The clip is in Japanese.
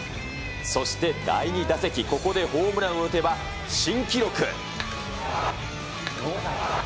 そして第２打席、ここでホームランを打てば、新記録。